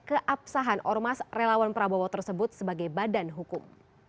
keabsahan ormas relawan prabowo tersebut sebagai badan hukum